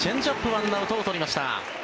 １アウトを取りました。